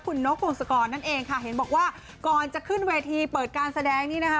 คุณนกพงศกรนั่นเองค่ะเห็นบอกว่าก่อนจะขึ้นเวทีเปิดการแสดงนี่นะคะ